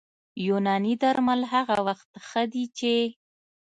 یوناني درمل هغه وخت ښه دي چې